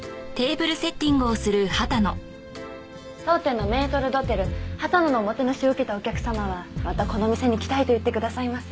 当店のメートル・ドテル羽田野のおもてなしを受けたお客様はまたこの店に来たいと言ってくださいます。